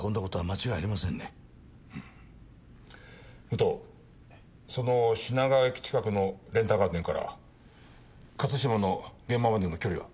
武藤その品川駅近くのレンタカー店から勝島の現場までの距離は？